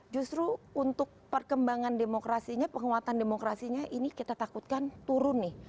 justru untuk perkembangan demokrasinya penguatan demokrasinya ini kita takutkan turun nih